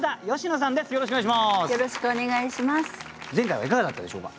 前回はいかがだったでしょうか？